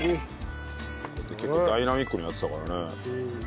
結構ダイナミックにやってたからね。